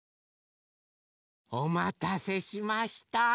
おまたせしました。